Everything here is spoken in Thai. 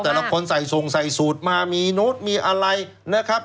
แต่ละคนใส่ทรงใส่สูตรมามีโน้ตมีอะไรนะครับ